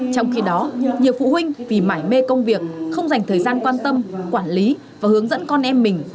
trong khi đó nhiều phụ huynh vì mải mê công việc không dành thời gian quan tâm quản lý và hướng dẫn con em mình